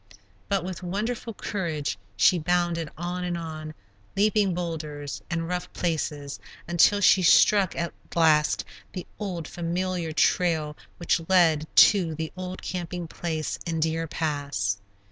But with wonderful courage she bounded on and on, leaping boulders and rough places, until she struck at last the old, familiar trail which led to the old camping place in Deer Pass.